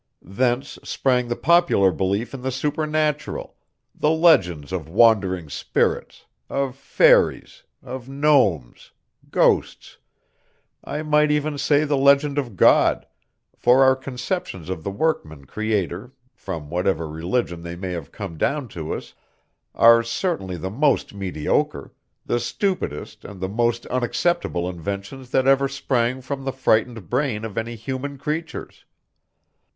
Thence sprang the popular belief in the supernatural, the legends of wandering spirits, of fairies, of gnomes, ghosts, I might even say the legend of God, for our conceptions of the workman creator, from whatever religion they may have come down to us, are certainly the most mediocre, the stupidest and the most unacceptable inventions that ever sprang from the frightened brain of any human creatures.